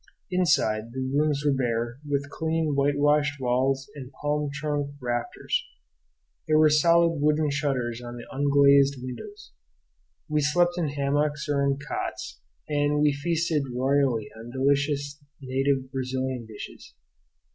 Inside, the rooms were bare, with clean, whitewashed walls and palm trunk rafters. There were solid wooden shutters on the unglazed windows. We slept in hammocks or on cots, and we feasted royally on delicious native Brazilian dishes.